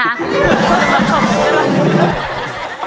ขอบคุณครับ